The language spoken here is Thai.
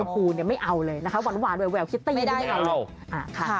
พูเนี่ยไม่เอาเลยนะคะหวานแววคิตตีนไม่เอา